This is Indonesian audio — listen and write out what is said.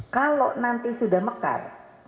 kalau nanti sudah mekar